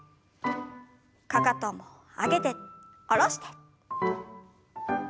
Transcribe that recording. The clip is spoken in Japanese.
かかとも上げて下ろして。